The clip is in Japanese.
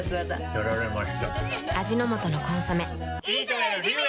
やられました。